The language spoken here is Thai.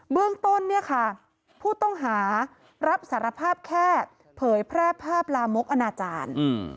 เรื่องต้นเนี่ยค่ะผู้ต้องหารับสารภาพแค่เผยแพร่ภาพลามกอนาจารย์